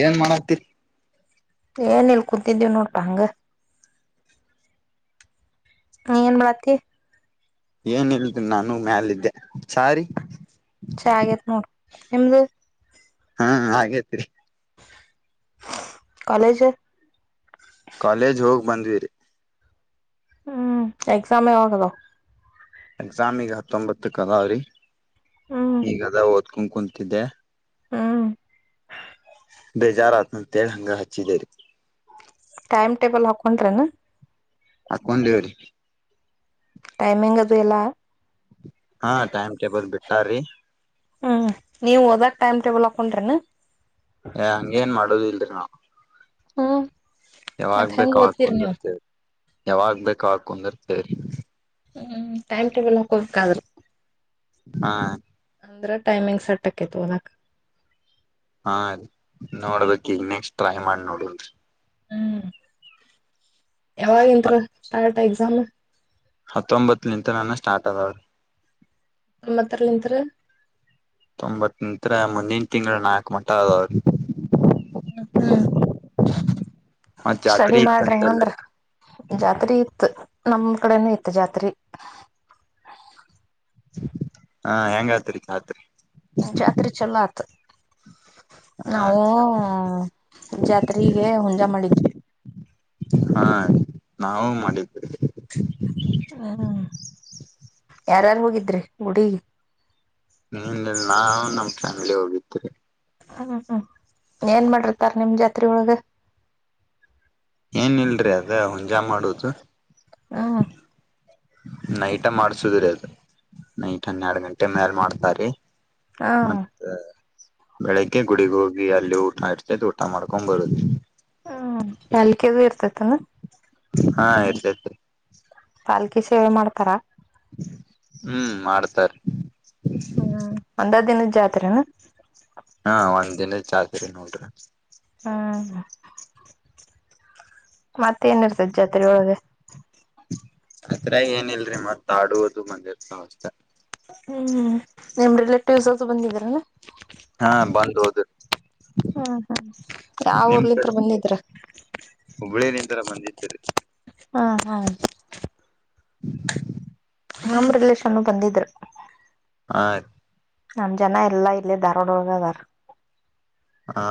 ಏನ್ ಮಾಡತಿ ಏನ ಇಲ್ ಕೂತಿದ್ದೀವಿ್ ನೋಡ್ಪಾ ಹಂಗ ಹ ಏನ್ ಮಾಡತಿ ಏನ ಇಲ್ದು ನಾನು ಮ್ಯಾಲಿದ್ದೆ ಚಾ ರಿ ಚೆ ಆಾಗೇತ್ ನೋಡ ನಿಮ್ದು ಹಾ ಹಾಗೇತ್ರಿ ಕಾಲೇಜ ಕಾಲೇಜ್ ಹೋಗಿ ಬಂದ್ವಿರಿ ಹ್ಮ್ ಎಕ್ಸಾಮೇ ಯಾವಾಗ ಅದಾವ ಎಕ್ಸಾಮ್ ಈಗ ಹತ್ತೊಂಬತ್ತಕ್ಕ ಅದಾವ್ರಿ ಹ್ಮ್ ಈಗ ಅದ ಓದ್ಕ್ ಕುಂತಿದ್ದೆ ಹ್ಮ ಬೇಜಾರ ಆತ ಅಂತೇಳಿ ಹಂಗ ಹಚ್ಚಿದ್ದೇರಿ ಟೈಮ್ ಟೇಬಲ್ ಹಾಕೊಂಡ್ರನಾ ಹಾಕೊಂಡೇವ್ರೀ ಟೈಮಿಂಗ್ ಅದು ಎಲ್ಲ ಹಾ ಟೈಮ್ ಟೇಬಲ್ ಬಿಟ್ಟರೀ ಹ್ಮ್ ನೀವ ಹೋದಾಗ ಟೈಮ್ ಟೇಬಲ್ ಹಾಕೊಂಡ್ರೇನಾ ಏ ಹಂಗೇನ್ ಮಾಡುದ ಇಲ್ರಿ ನಾ ಹ್ಮ ಯಾವಾಗ್ ಬೇಕು ಹಾಕೊಂಡಿರ್ತೇವೆ ಯಾವಾಗ್ ಬೇಕ ಕುಂದರ್ ಸರಿ ಹ್ಮ್ ಟೈಮ್ ಟೇಬಲ್ ಹಾಕೋಬೇಕಾದ್ರರು ಹಾ ಅಂದ್ರೆ ಟೈಮಿಂಗ್ಸ್ಟ್ಟಕತ್ ಲಕ ಹಾ ನೋಡ್ಬೇಕಕ್ ಈಗ ನೆಕ್ಸ್ಟ್ ಟ್ರೈ ಮಾಡಿ ನೋಡನ್ರಿ ಹ್ಮ್ ಯಾವಾಗಂ [unintelligible] ಎಕ್ಸಾಮ ಹತ್ತೊಂಬತ್ತು ನಿಂತ ನಾನ ಸ್ಟಾರ್ಟ್ ಆದದಾವ್ರೀ [inaudible] ತೊಂಬತ್ ನತ್ರ ಮುಂದಿನ ತಿಂಗಳ ನಾಲ್ಕು ಮಟ್ಟ ಆದದಾವ್ರೀ ಹ್ಮ್ ಹ್ಮ್ ಮತ್ ಸ್ಟಡಿ ಜಾತ್ರೆ ಮಾಡ್ರಿ ಇತ್ತಂತಲ್ರಿ ಹಂಗಂದ್ರ ಜಾತ್ರಿ ಇತ್ತು ನಮ್ ಕಡೆನ ಇತ್ತು ಜಾತ್ರಿ ಹಾ ಹೆಂಗ ಆತ್ರಿ ಜಾತ್ರಿ [unintelligible] ಹ ನಾಾವವು ಜಾತ್ರೆಗೆ ಹುಂಜಾ ಮಾಡಿದ್ವಿ ಹಾ ನಾವು ಮಾಡಿದ್ದೆ ಹ್ಮ್ ಯಾರಾರು ಹೋಗಿದ್ರಿ ಗುಡಿಗೆ ಹ ನಾ ನಮ್ ಫ್ಯಾಮಿಲಿ ಹೋಗಿರ್ರಿ ಹ್ಮ್ ಹ್ಮ್ ಏನ್ ಮಾಡಿರ್ತಾರ ನಿಮ್ ಜಾತ್ರೆ ಒಳಗ ಏನ್ ಇಲ್ರಿ ಅದ ಹುಂಜಾ ಮಾಡುವುದು ಹ್ಮ್ ನೈಟ ಮಾಡ್ಸುದಿ್ರಿ ಅದು ನೈಟ್ ಹನ್ನೆರಡು ಗಂಟೆ ಮ್ಯಾಲ ಮಾಡ್ತಾರ ರಿ ಹಾ ಬೆಳಿಗ್ಗೆ ಗುಡಿಗ್ ಹೋಗಿ ಅಲ್ಲಿ ಊಟ ಇರ್ತೈತಿ ಊಟ ಮಾಡ್ಕೊಂಡ್ ಬರುದ ಹ್ಮ್ ನಲ್ಲಿಕ್ಕೆದು ಇರ್ತತಾನ ಹಾ [unintelligible] ತರ ಹ್ಮ್ ಮಾಡಡ್ತಾರ ಹ್ಮ್ ಒಂದ ದಿನ ಜಾತ್ರೆ ನ ಹಾ ಒಂದ್ ದಿನದ ಚಾತ್ರಿ ನೋಡ್ರಿ ಹ್ಮ್ ಮತ್ತೆ ಏನಿರ್ತದೆ ಜಾತ್ರೆ ಒಳಗೆ ಅತ್ರ ಏನಿಲ್ರಿ ಮತ್ತ ಆಡುವುದು ಮಂದಿರ್ತ ಅವಸ್ೆ ಹ್ಮ್ ನಿಮ್ ರಿಲೇಟಿವ್ಸ್ ಅಸ ಬಂದಿದೀರಲ್ಲ ಹಾ ಬಂದು ಹೋದ್ರೀ ಹ್ಮ್ ಹ್ಮ್ ಯಾವ ನಿಮ ಊರ್ಲಿತ್ರ ಕಡೆ ಬಂದಿದ್ರ ಹುಬ್ಬಳ್ಳಿ ನಿನ್ ತರ ಬಂದಿದ್ದರಿ ಹಾ ಹಾ ಹ ನಮ ರಿಲಷನ್ ಬಂದಿದ್ರು ಆ ನಮ್ ಜನ ಎಲ್ಲಾ ಇಲ್ಲಿ ದಾರವಾಡಗದೋಳಗ ಇದ್ದಾರ ಹಾ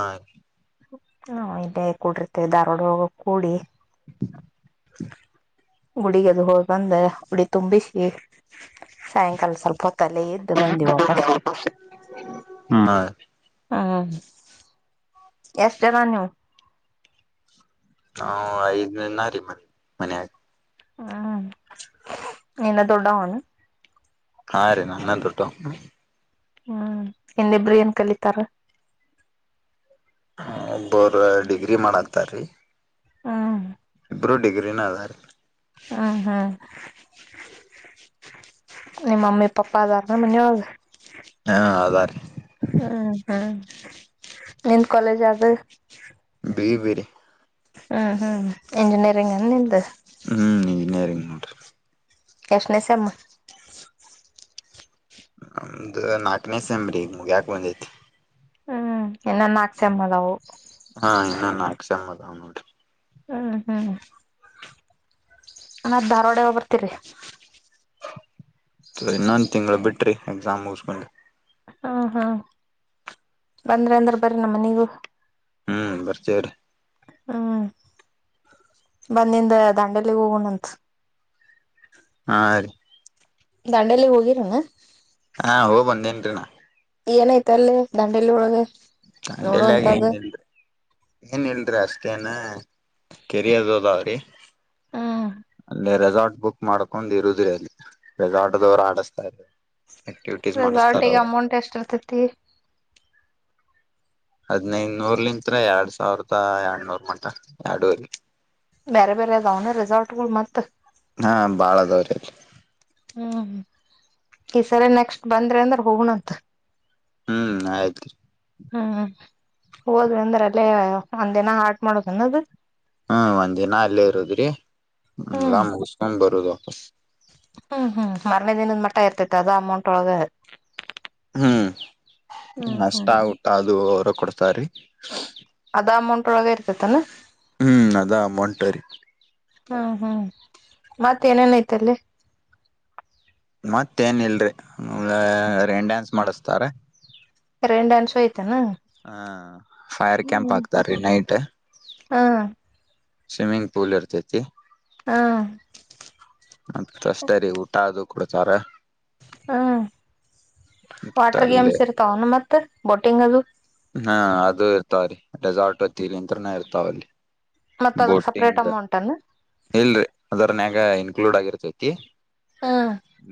ಹಾ ಇಲ್ಲೇ ಕೂಡಿರ್ತೇವೆ ಧಾರ್ವಾಡ ಹೋಗ ಕೂಡಿ [unintelligible] ಗುಡಿಗ ಅದು ಹೋಗಿ ಬಂದ ಉಡಿ ತುಂಬಿಸಿ ಸಾಯ ಕಲ್ ಸ್ವಲ್ಪ ಹೊತ್ತಲೇ ಇದ್ದು ಬಂದಿ ವಾಪಸ್ ಹಾ ಹ ಎಷ್ಟದ ನೀವು ಹಾ ಐದ್ನ ರೀ ಮ ಮನಗ ಹ್ಮ್ ನಿನ್ನ ತೊಡ ಅಣ ಹಾ ರೀ ನಾನ್ನ ದೊಡ್ಡ ವ ಹ್ಮ್ ಇನ್ನಿಬ್ರು ಏನ್ ಕಲಿತಾರ ಒಬ್ಬರು ಡಿಗ್ರಿ ಮಾಡತಾರೀ ಹ್ಮ ಒಬ್ಬರು ಡಿಗ್ರಿನ ಅದಾರೆ ಹ್ಮ್ ಹ್ಮ್ ನಿಮ್ಮಮ್ಮಿ ಪಪ್ಪಾ ಅದಾರ ಮನಿ ಒಳಗ ಹಾ ಅದಾರೀ ಹ ಹಾ ನಿನ್ ಕಾಲೇಜ್ ಆದಗ ಬ ಬಡೀ ಹ್ಮ್ ಹ್ಮ್ ಇಂಜಿನಿಯರಿಂಗ್ ನಿಂದ ಹ್ಮ್ ನ ಇಂಜಿನೀರಿಂಗ್ ಹ ಎಷ್ಟನೇ ಸೆಮ್ ನಮ್ದ ನಾಕನೇಸಂಬ್ರಿ ಮುಗ್ಯಾಾಕ ಬಂದೈತಿ ಹ್ಮ ಎ ನ ಶಮ್ಮಲವು ನಾಕ ಸೇಮ್ ಅದ ನೋಡ್ರಿ ಹ್ಮ್ ಹ್ಮ್ ನ ಧಾರ್ವಾಡಗೆ ಬರ್ತೀರಿ ಸ ಇನ್ನೊಂದು ತಿಂಗಳು ಬಿಟ್ರಿ ಎಕ್ಸಾಮ್ ಮುಸ್ಕೊಂಡು ಹ್ಮ್ ಹ್ಮ್ ಬಂದ್ರೆ ಅಂದ್ರ ಬರ ನಮ್ಮ ಮನೆಗೂ ಹ್ಮ್ ಬರ್ತೇವರಿ ಹ್ಮ್ ಬಂದಿಂದ ದಾಂಡೆಲಿ ಹೋಗಣಂತ ಹಾ ರೀ ದಾಂಡೇಲಿ ಹೋಗಿರಣ ಹಾ ಹೋಗ ಬಂದೇನ್ರಿನಾ ಏನೈತ ಅಲ್ಲಿ ದಾಂಡೇಲಿ ಒಳಗೆ ದಾಂಡೇಲಿ ಗ ಏನ್ ಇಲ್ ಏನ್ ಇಲ್ರಿ ಆ ಮತ್ತೇನೆ ಕೆರಿಯದದಾವ್ರಿ ಹ್ಮ್ ಅಲ್ಲಿ ರೆಸಾರ್ಟ್ ಬುಕ್ ಮಾಡ್ಕೊಂಡ್ ಇರುದ್ರಿ ಅಲ್ಲಿ ರೆಸಾರ್ಟದವರು ಆಡಿಸತಾ ರೆಸಾರ್ಟಿಗೆ ಅಮೌಂಟ್ ಎಷ್ಟ ಇರ್ತತಿ ಹದನೈದುನೂರ್ಲಿಂತತ್ರ ಎರಡ್ ಸಾವಿರದ ಎರಡ್ನೂರ್ ಮಟ ಎರಡೂರ್ಲಿ ಬೇರೆ ಬೇರೆ ಅದಾವನ ರೆಸಾರ್ಟ್ಗಳು ಮತ್ತ ಹಾ ಬಾಳದವ್ರ ಅಲ್ಲಿ ಹ್ಮ್ ಈ ಸರಿ ನೆಕ್ಸ್ಟ್ ಬಂದ್ರೆ ಅಂದ್ರ ಹೋಗಣಂತ. ಹ್ಮ್ ಆಯ್ತ್ರಿ. ಹ್ಮ್ ಹೋದ್ ಅಂದ್ರ ಅಲ್ಲೇ ಒಂದಿನ ಆಟ್ ಮಾಡೋದ ಅನ್ನದು. ಹ್ಮ್ ಒಂದ್--ನ ಅಲ್ಲೇ ಇರುದ್ರಿಲ್ಲ ಮುಗಸ್ಕೊಂಡ್ ಬರುದು. [unintelligible] ಹ್ಮ್ ಹ್ಮ್ ಮರನೇ ದಿನದ ಮಟ್ಟ ಇರ್ತೈತೆ ಅದ ಅಮೌಂಟ್ ಒಳಗೆ. ಹ್ಮ್ ಅಷ್ಟ ಊಟ ಅದು. ಅದು ಅವರ ಕೊಡ್ತಾರೆ ಅದ ಅಮೌಂಟ್ ಒಳಗ ಇರ್ತೇತನಾ. ಹ್ಮ್ ಅದಾ ಟರಿ ಹ್ಮ್ ಹ್ಮ್ ಮತ್ತೇಏನೇನಐತಲ್ಲಿ. ಮತ್ತೇನ್ ಇಲ್ರಿ ರೇನ್ ಡ್ಯಾನ್ಸ್ ಮಾಡಸ್ತಾರ. ಡ ಅನ್ಸವಯತು ಹ ಫೈರ್ ಕ್ಯಾಂಪ್ ಹಾಕ್ತಾರಿ ನೈಟ್. ಹಾ. ಸ್ವಿಮ್ಮಿಂಗ್ ಪೂಲ್ ಇರ್ತೈತಿ. ಹಾ. ಮತ್ತ ಅಷ್ಟರಿ ಊಟ ಅದು. ಕುಡ್ತಾರೆ. ಹ್ಮ್ ವಾಟರ್ ಅಲ್ಲಿ ಗೇಮ್ಸ್ ಇರ್ತಾವನು ಮತ್ತೆ ಬೋಟಿಂಗ್ ಅ ಹಾ ಅದು ಇರ್ತಾವ ರೀ ರೆಸಾರ್ಟ್ ಹೊತ್ತೀರಿಂತ್ರನ ಇರ್ತಾವಲ್ಲಿ. ಮತ್ತ ಅದಕ್ ಸಪ್ರೇಟ್ ಅಮೌಂಟ್ ಅನ್ನು. ಇಲ್ರರಿ ಅದರನ್ಯಾಗ ಇನ್ಕ್ಲೂಡ್ ಆಗಿರತೈತಿ. ಹ್ಮ್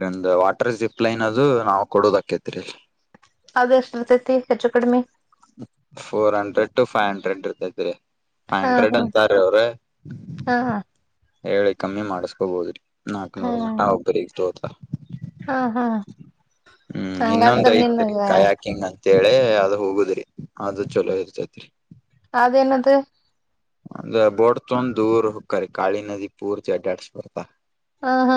ಇಂದ. ಅಡ್ರೆ ಪ್ಲೈನ್ ಅದು ನಾವವು ಕೊಡೋದಾಕೈತಿರಿ. ಅದು ಎಷ್ಟುರ್ತೈತಿ ಹೆಚ್ಚು ಕಡಿಮೆ. ಡ್ ಇರ್ತೆತ್ರಿ. ಹಾ ಹಂಡ್ರೆಡ್ ಹ್ಮ್ ಅಂತಾರ ಅವ್ರ. ಹಾ ಹೇಳಿ ಕಮ್ಮಿ ಮಾಡಸ್ಕೊಬೋದ್ರಿ. ನಾಕ್ನೂರು ಮಟ್ಟ ಹ್ಮ್ ಹೋಗ ಬರೀ ತೋದಾ. ಹಾ ಹಾ ಹ್ಮ್ ಹಂಗಂದ್ರ ನಿನ್ ಆದ ಹೋಗುದ್ರಿ ಆದ್ರ ಚಲೋ ಇರ್ತೈತಿರಿ. ಅದನ್ನದು. ಅಂದ್ರ ಬೋಟ್ ಡ್ ದೂರ್ ಹಕ್ಕಾರಿ ಕಾಳಿ ನದಿ ಪೂರ್ತಿ ಅಡ್ಡಾಡ್ಸ್ ಬರ್ತ ಹಾ ಹಾ.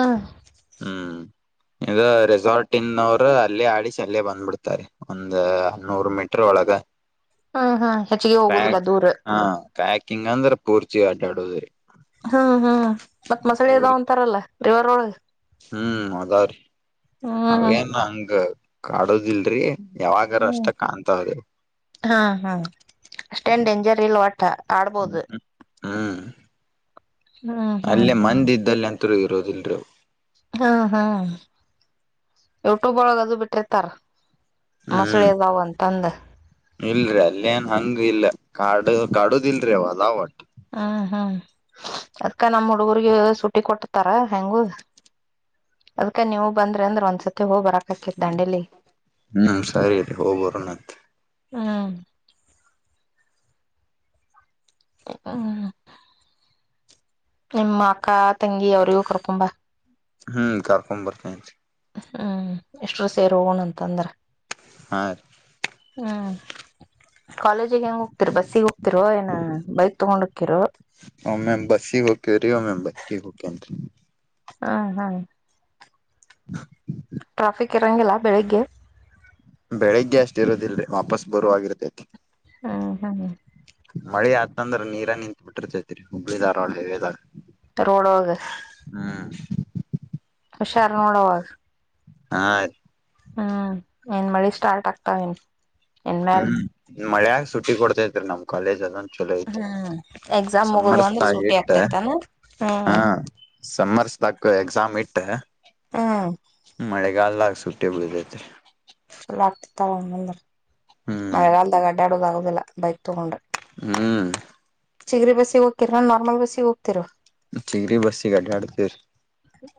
ಇದು ರೆಸಾರ್ಟ್ ಇ--ದವರು ಅಲ್ಲೇ ಆಡಿಸಿ ಅಲ್ಲೇ ಬಂದ್ಬಿಡ್ತಾರೆ ಒಂದ ನೂರು ಮೀಟರ್ ಒಳಗ ಹ್ಮ್ ಹ್ಮ್ ಹೆಚ್ಚಿಗೆ ಹೋಗುದಿಲ್ಲ ದೂರ್. ಕ ಕಿಂಗಂದ್ರ ಪೂರ್ಚಿ ಅಡ್ಯಡೋದ್ರಿ. ಹಾ ಹಾ. ಮತ್ ಮಸಳೆ ಇದಾವ ಅಂತಾರಲ್ಲ. ರಿವರ್ ಒಳಗ್. ಹ್ಮ್ ಅವ್ ಏನ್ ಹಂಗ್ ಕಾಡೋದಿಲ್ರಿ. ಯಾವಾಗಾರ ಅಷ್ಟ ಹ್ಮ್ ಕಾಣ್ತಾವ್ರಿ ಹಾ ಹಾ ಅಷ್ಟೇನ್ ಡೇಂಜರ್ ಇಲ್ ವಟ್ ಆಡ್ಬೋದು. ಹಾ. ಹ್ಮ್ ಹ್ಮ್ ಅಲ್ಲೇ ಮಂದೀ ಇದ್ದಲ್ಲಿ ಅಂತ ಹತ್ರ ಇರೋದಿಲ್ಲ್ರಿ. ಹ್ಮ್ ಹ್ಮ್ ಯುಟೂಬ್ ಒಳಗ ಅದು ಬಿಟ್ಟಿರ್ತಾರ. ಹ್ಮ್ ಮಸಳಿ ಅದಾವ ಅಂತಂದ. ಇಲ್ರಿ ಅಲ್ಲೇ ಏನ್ ಹಂಗ ಇಲ್ಲ ಕಾಡು ಕಾಡುದ ಇಲ್ರಿ ಅವ ಅದಾವ. ಹಾ ಹಾ. ಅದ್ಕ ನಮ್ ಹುಡುಗರ್ಗ ಸುಟಿ ಕೊಟ್ಟತಾರ ಹೆಂಗು ಅದ್ಕ ನೀವು ಬಂದ್ರಿ ಅಂದ್ರ ಒಂದ್ಸತಿ ಹೋಗ್ ಬರಕ್ ಹ್ಮ್ ಸರಿ ಆಯ್ತಿ ಹೋಗ ಬರೋನಂತ್. ಹ್ಮ. ಹ್ಮ. ನಿಮ್ಮ ಅಕ್ಕಾ ತಂಗಿ ಅವರಿಗೂ ಕೊರ್ಕೊಂಬಾ. ಹ್ಮ್ ಕರ್ಕೊಂಡ ಬರ್ತೇನ್ ರಿ. ಹ್ಮ್ ಇಷ್ಟರು ಸೇರ್ ಹೋಗಣ ಅಂತಂದ್ರ. ಹಾರಿ. ಹ್ಮ. ಕಾಲೇಜಿಗೆ ಹೆಂಗ ಹೋಗ್ತಿರ ಬಸ್ಸಿಗೆ ಹೋಗ್ತಿರೋ ಏನ ಬೈಕ್ ತಗೊಂಡ್ ಹೋಕ್ಕಿರೋ. ಒಮ್ಮೆ [unintelligible] ಹಾ ಹಾ. ಹ. ಟ್ರಾಫಿಕ್ ಇರಂಗಿಲ್ಲ ಬೆಳಿಗ್ಗೆ. ಬೆಳಿಗ್ಗೆ ಅಷ್ಟ್ ಇರದಲ್ರಿ ವಾಪಸ್ ಬರುವಾಗ್ ಇರ್ತೈತಿ. ಹ್ಮ ಹ್ಮ. ಅಂದ್ರ ನೀರ ನಿಂತ್ ಬಿಟ್ಟಿರ್ತೈತ್ರಿ ಹಬ್ಬಳಿ ಧಾರವಾಡ ಹೈವೇ ದಾಗ್. ರೋಡ ಒಳಗ. ಹುಷಾರ್ ನೋಡ ಅವಾಗ. ಹಾ ರೀ. ಹ್ಮ್ ಇನ್ ಮಳಿ ಸ್ಟಾರ್ಟ್ ಆಗ್ತಾವೇನ್. ಇನ್ಮ್ಯಾಲ ಹ್ಮ. ಮಳೆಯಾಗ ಸುಟ್ಟಿ ಕೊಡ್ತೈತ್ರಿ ನಮ್ಮ್ ಕಾಲಜ ಅದ ಹೂಂ ಎಕ್ಸಾಮ್ ಮುಗುದುವ ಅಂದ್ರ ಸೂಟಿ ಇಟ್ಟ ಆಗ್ತೇತಾನ, ಹೂಂ. ತಕ್ಕ ಎಕ್ಸಾಮ್ ಇಟ್ಟ. ಮಳೆಗಲ್ದ್ಗ. ಸೂಟೇಬಲ್ ಇದೆತೆ. ಲಟ್, ತಗೊಬಂದುರ್. ಹ್ಮ್ ಮಳೆಗಾಲದಾಗ ಅಡ್ಡಾಡು ಬಾ. ಇಲ್ಲ, ಬೈಕ್ ತೊಗೊಂಡ. ಹ್ಮೂ. ಚಿಗ್ರ ಬಸ್ಸಿಗೆ ಹೋಗ್ತಿರಾ, ನಾರ್ಮಲ್ ಬಸ್ಸಿಗೆ ಹೋಗ್ತಿರಾ. ಚಿಗ್ರಿ ಬಸಿಗೆ, ಅಡ್ಡಾಡ್ತಿವಿರಿ.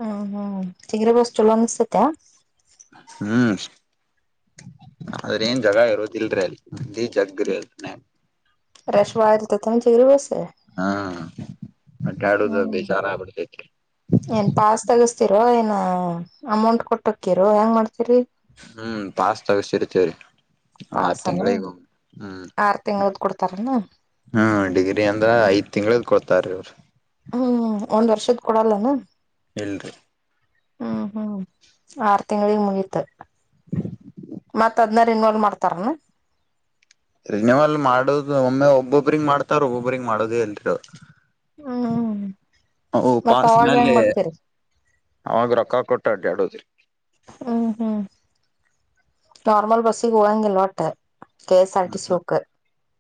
ಹೂ, ಹೂ, ಚಿಗರಿ ಬಸ್ ಚಲ್ಲೊ ಅನಿಸ್ತಾತ. ಹೂ, ಆದ್ರೆ ಏನ್ ಜಗ ಇರೋದಿಲ್ರ ಅಲ್ಲಿ, ಬರಿ ಜಗ್ರಿ ಅಲಿನೆ. ರಷ್ ಬಾಳ್ ಇರ್ತೈತೆ ಏನ್, ಚಿಗ್ರಿ ಬಸ್. ಹಾ, ಅಡ್ಡಾಡುವುದು ಹ್ಮ್ ಬೇಜಾರ್ ಆಗ್ಬಿಡ್ತೈತೆರಿ ತಿರೋ ಏನೊ, ಅಮೌಂಟ್ ಕೊಟ್ಟಕ್ಕಿರೋ, ಹೆಂಗ್ ಮಾಡ್ತರಿ. ಹ್ಮ್ ಪಸ್ ತೆಗೆಸ್ತಿರ್ತೀವಿರಿ. ಆರ್ ಪಾಸನ ತಿಂಗಳಿಗೊ, ಹೂ, ಆರ್ ತಿಂಗಳದ್ ಕೊಡ್ತಾರನ ಹೂ, ಡಿಗ್ರಿ ಅಂದ್ರೆ ಐದ್ ತಿಂಗ್ಳು ಕೊಡ್ತ್. ತಾರೆರು ಹೂ, ಒಂದ್ ವರ್ಷದ್ ಕೊಡಲ್ಲೆನು. ಇಲ್ರಿ. ಹೂ, ಹೂ, ಆರ್ ತಿಂಗಳಿಗೆ ಮುಗಿತು. ಮತಡ್. ಇನ್ವಾಲ್ವ ಮಾಡ್ತಾರೆನೊ. ರಿನೀವಲ್ ಮಾಡೊದು, ಒಮ್ಮೆ ಒಬ್ಬೊಬ್ರಿಂಗ ಮಾಡ್ತಾರ್, ಒಬ್ಬೊಬ್ರಗ್ ಮಾಡೊದೆ, ಇಲ್ರಿ ಅವ್ರು. ಹೂ, ಅವು ಮತ್ತ್ ಪಾಸ್ ಅವಾಗ್ ಹೆಂಗ್ ಮ್ಯಾಲೆ ಮಾಡ್ತೀರಿ. ಅವಾಗ ರೊಕ್ಕ ಕೊಟ್ಟ್ ಅಡ್ಡಾಡೊದ್ರಿ. ಹೂ, ಹೂ, ನಾರ್ಮಲ್ ಬಸ್ಗೆ ಹೊಗಂಗಿಲ್ಲ ಹೊಟ್ಟೆ. K, S, R, T, C, ಓಕ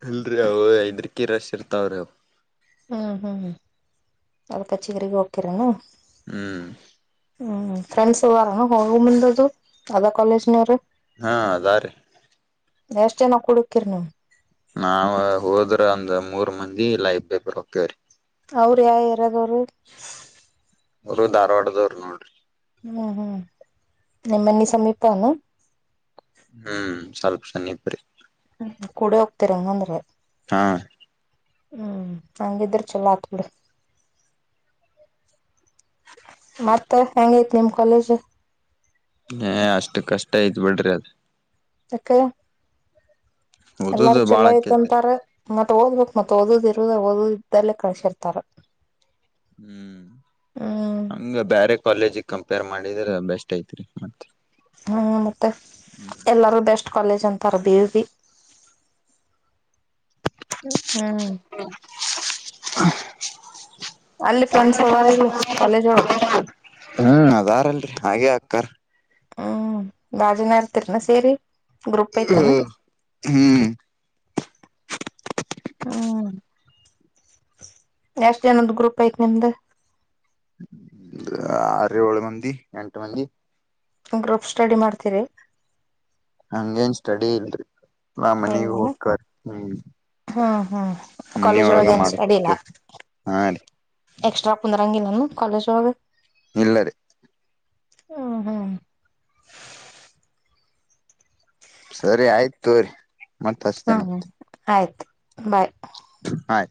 ಇಲ್ರಿ, ಅವ ಐದ್ರೀಕಿ ರಶ್ ಇರ್ತಾವ್ರೀ. ಹೂ, ಹೂ, ಅದ್ಕೆ ಚಿಗ್ರಿಗೇ ಹೋಗ್ತೀರೇನು. ಹೂ. ಹೂ, ಫ್ರೆಂಡ್ಸ್ ಓರ ಹೋಗ ಮುಂದೊದು, ಅದ ಕಾಲೇಜ್ನವ್ರ. ಹಾ, ಅದಾರ. ರಿ ಎಷ್ಟ್ ಜನ ಕುಡುಕಿರ್ ನೀವ್. ನಾವ್ ಹೋದ್ರೆ, ಒಂದ್ ಮೂರ್ ಮಂದಿ, ಲೈಬ್ರ್ ಪೆಪರ್ ಹೋಗ್ತೀವ್ರೀ. ಅವ್ರ್, ಯಾವ್, ಏರಿಯದವರು. ಅವ್ರು ಧಾರವಾಡದವ್ರು ನೋಡ್ರಿ. ಹೂ, ಹೂ, ನಿಮ್ಮನ್ನಿ ಸಮೀಪಾನ. ಹೂ, ಸ್ವಲ್ಪ ಸ್ಣಿಬ್ರಿ. ಹೂ, ಕೂಡ ಹೋಗ್ತಿರಂಗಂದ್ರೆ. ಹಾ. ಹ್ಮ್ ಹಂಗಿದ್ರ ಚಲೋ ಹತ್ ಬಿಿಡಿ ಮತ್ತ ಹೆಂಗೈತ್ ನಿಮ್ ಕಾಲೇಜ್. ಹ ಅಷ್ಟು ಕಷ್ಟ ಯತ್ ಬಿಡ್ರಿ ಅದ್. ತಕ್ಕ. ಎಲ್ಲಾರು ಓದುದು ಬಾಳ ಚಲೋ ಆಕೇತ್ರಿ ಐತ್ಂತಾರೆ ಮತ್ತತ್ ಓದ್ಬೇಕ. ಮತ್ತತ್ ಓದದ ಇರುದ ಓದಿದ್ದಲ್ಲೇ ಕಳ್ಸಿರ್ತಾರ. ಹ್ಮ್ ಹ್ಮ್ ಹಂಗ ಬೇರೆ ಕಾಲೇಜಿಗೆ. ಕಂಪೇರ್ ಮಾಡಿದ್ರೆ ಬೆಸ್ಟ್ ಐತ್ರಿ ಮತ್ತೆ. ಹ್ಮ ಮತ್ತೆ ಎಲ್ಲಾರ ದಷ್ಟ. ಕಾಲೇಜ್ ಅಂತಾರೆ ಬಿು ಬಿ. ಹ್ಮ್. [inaudible] ಅಲ್ಲಿ ಫ್ರೆಂಡ್ಸ್ ಅವಾರ ಇಲ್ಲಿ ಕಾಲೇಜ್ ಒಳಗೆ. ಹ್ಮ್ ಅದಾರಲ್ರಿ ಹಾಗೆ ಆಕ್ಕಾರ್. ಹ್ಮ್ ರಾಜಾಜನೇರ ತರ್ನ ಸೇರಿ. ಗ್ರೂಪ್ ಹ ಐತನ ಹ್ಮ್. ಹ್ಮ್ ಎಷ್ಟ ಜನದ ಗ್ರೂಪ್ ಐತ್ ನಿಮ್ದ. ಆರು ಏಳು ಮಂದಿ ಎಂಟು ಮಂದಿ ಗ್ರೂಪ್ ಸ್ಟಡಿ ಮಾಡ್ತೀರಿ. ಹಂಗೇನ್ ಸ್ಟಡಿ ಇಲ್ರಿ ನ ಮನಿ ಹೋಕರ್ ಹ್ಮ್. ಹಾ ಕಾಲೇಜ್ ಮನಿಯೊಳಗ ಒಳಗೆ ಏನ್ ಸ್ಟಡಿ ಇಲ್ಲ ಮಾಡ್ಕೋತಿವಿ ಹಾ ರೀ ಎಕ್ಸ್ಟ್ರಾ ಕುಂದ್ರಂಗಿಲ್ಲ. ಕಾಲೇಜ್ ಒಳಗೆ ಇಲ್ಲ ರಿ ಹ್ಮ ಹಾ ಸರಿ ಆಯ್ತು ತೊ ರಿ. ಮತ್ತೆ ಹ್ಮ್ ಅಷ್ಟತೇನೆತ್ತ. ಹ್ಮ್ ಆಯ್ತು ಬಾಯ್. ಆಯ್.